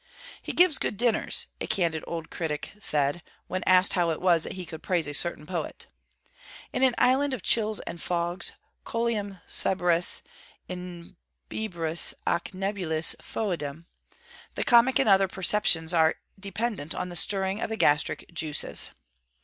'He gives good dinners,' a candid old critic said, when asked how it was that he could praise a certain poet. In an island of chills and fogs, coelum crebris imbribus ac nebulis foedum, the comic and other perceptions are dependent on the stirring of the gastric juices.